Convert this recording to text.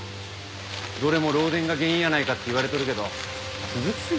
どれも漏電が原因やないかって言われとるけど続きすぎやで。